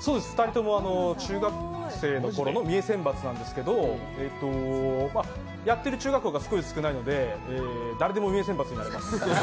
２人とも中学生のころの三重選抜なんですけどやってる中学校がすごい少ないので誰でも三重選抜になれます。